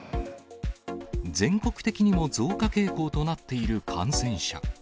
全国的にも増加傾向となっている感染者。